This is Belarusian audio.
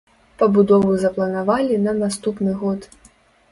Пабудову запланавалі на наступны год.